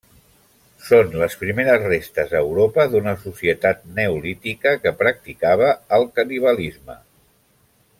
Són les primeres restes a Europa d'una societat neolítica que practicava el canibalisme.